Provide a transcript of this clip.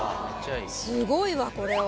すごいわこれは。